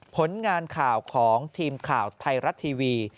ผลงานข่าวของทีมข่าวไทยรัฐทีวี